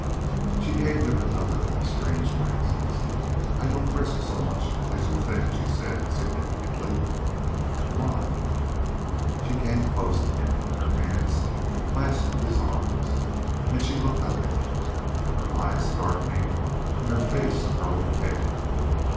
She gave him another of the strange glances. "I don't risk so much as you think," she said, significantly. "Why?" She came close to him, and her hands clasped his arms and she looked up at him, her eyes darkening and her face growing paler.